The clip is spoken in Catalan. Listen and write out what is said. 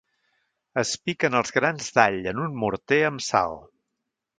Es piquen els grans d’all en un morter amb sal.